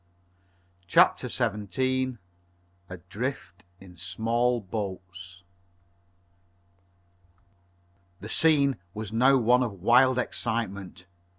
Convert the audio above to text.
CHAPTER XVII ADRIFT IN SMALL BOATS The scene was now one of wild excitement.